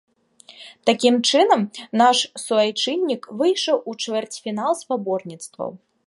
Такім чынам, наш суайчыннік выйшаў у чвэрцьфінал спаборніцтваў.